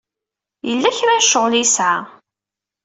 Yella kra n ccɣel ay yesɛa.